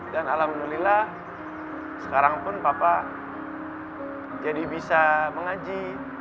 dan alhamdulillah sekarangpun papa jadi bisa mengaji